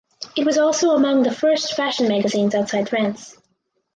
It was also among the first fashion magazines outside France.